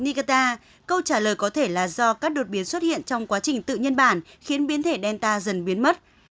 niger câu trả lời có thể là do các đột biến xuất hiện trong quá trình tự nhân bản khiến biến thể delta dần biến mất